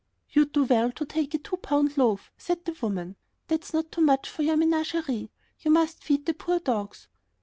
"You'd do well to take a two pound loaf," said the woman. "That's not too much for your menagerie. You must feed the poor dogs."